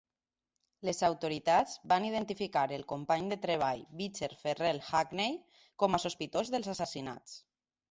Les autoritats van identificar el company de treball Beacher Ferrel Hackney com a sospitós dels assassinats.